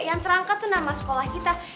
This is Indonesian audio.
yang terangkat itu nama sekolah kita